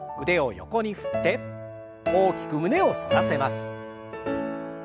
腕を横に振って大きく胸を反らせます。